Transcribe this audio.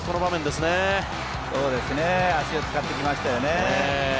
足を使ってきましたよね。